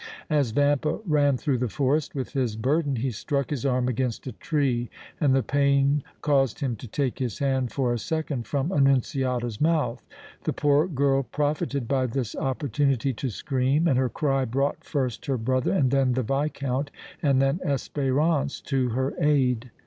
As Vampa ran through the forest with his burden, he struck his arm against a tree and the pain caused him to take his hand for a second from Annunziata's mouth. The poor girl profited by this opportunity to scream and her cry brought first her brother, then the Viscount and then Espérance to her aid.